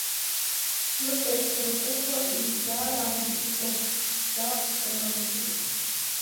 Ntutekereze ko ibi byarangizoe byavuzwe na mugisha